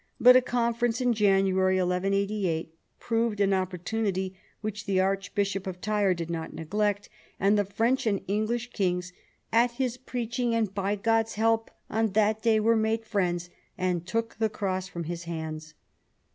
But a conference in January 1188 proved an opportunity which the arch bishop of Tyre did not neglect, and the French and English kings, " at his preaching and by God's help, on that day were made friends, and took the cross from his hands."